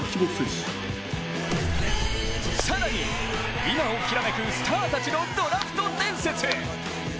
更に、今をきらめくスターたちのドラフト伝説。